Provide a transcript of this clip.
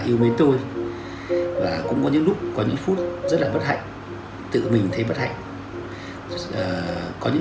yêu mến tôi và cũng có những lúc có những phút rất là bất hạnh tự mình thấy bất hạnh có những